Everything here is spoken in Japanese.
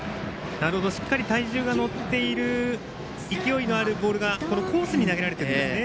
しっかりと体重が乗っている勢いのあるボールがこのコースに投げられているんですね。